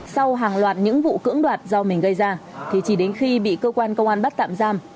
sau hàng loạt những vụ cưỡng đoạt do mình gây ra thì chỉ đến khi bị cơ quan công an bắt tạm giam